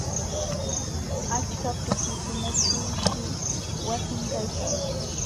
Achka pukyukunaćhuushi wasin kaykan.